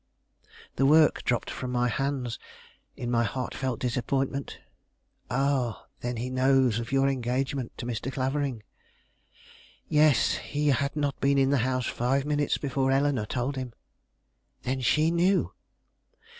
The work dropped from my hands, in my heartfelt disappointment. "Ah! then he knows of your engagement to Mr. Clavering?" "Yes; he had not been in the house five minutes before Eleanore told him." "Then she knew?"